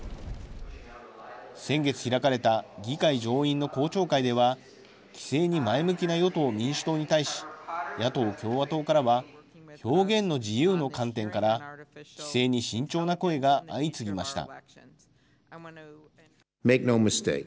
先月開かれた議会上院の公聴会では、規制に前向きな与党・民主党に対し、野党・共和党からは表現の自由の観点から規制に慎重な声が相次ぎました。